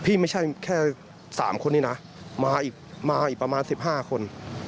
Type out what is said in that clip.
ไม่ใช่แค่๓คนนี้นะมาอีกมาอีกประมาณ๑๕คน